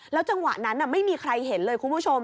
จังหวะนั้นไม่มีใครเห็นเลยคุณผู้ชม